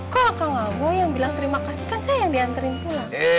kok akang abah yang bilang terima kasih kan saya yang dianterin pulang